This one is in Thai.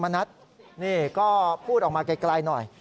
นัทนี่ก็พูดออกมาไกลหน่อย